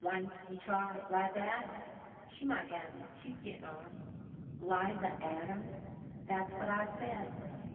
Why'n't ye try 'Liza Adams. She might have ye she's gittin' on." "'Liza ... Adams!" "That's what I said.